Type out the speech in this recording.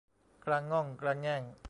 กระง่องกระแง่ง